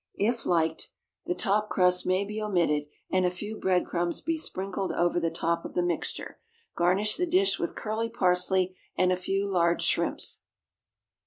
If liked, the top crust may be omitted, and a few breadcrumbs be sprinkled over the top of the mixture. Garnish the dish with curly parsley and a few large shrimps.